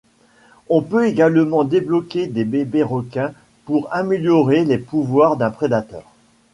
On peut également débloquer des bébés requins pour améliorer les pouvoirs d'un prédateur.